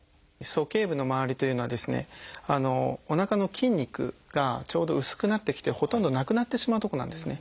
鼠径部のまわりというのはですねおなかの筋肉がちょうど薄くなってきてほとんどなくなってしまうとこなんですね。